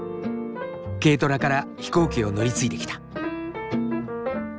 軽トラから飛行機を乗り継いできた。